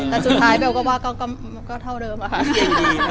แต่สุดท้ายเบลก็ว่าก็เท่าเดิมอะค่ะ